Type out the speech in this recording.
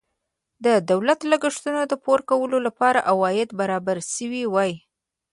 د دولتي لګښتونو د پوره کولو لپاره عواید برابر شوي وای.